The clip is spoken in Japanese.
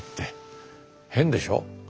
変でしょ。